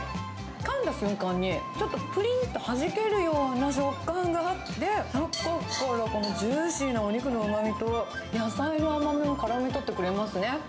かんだ瞬間に、ちょっとぷりんとはじけるような食感があって、中からジューシーなお肉のうまみと、野菜の甘みを絡め取ってくれますね。